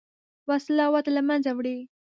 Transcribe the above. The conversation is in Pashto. وسله وده له منځه وړي